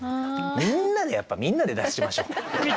みんなでやっぱみんなで出しましょう。